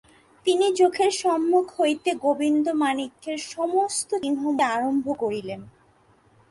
তিনি চোখের সম্মুখ হইতে গোবিন্দমাণিক্যের সমস্ত চিহ্ন মুছিতে আরম্ভ করিলেন।